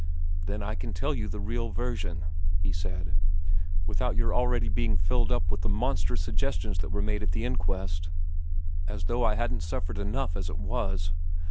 ' Then I can tell you the real version,' he said, ' without you're being already filled up with the monstrous suggestions that were made at the inquest. As though I hadn't suffered enough as it was